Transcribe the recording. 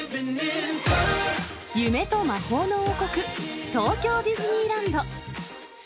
夢と魔法の王国、東京ディズニーランド。